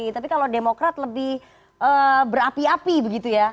tapi kalau demokrat lebih berapi api begitu ya